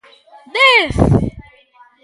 Dez!